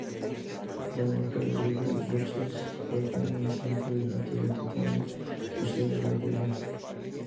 La marca de lujo Lexus perteneciente a Toyota, tiene su sede en Nagoya.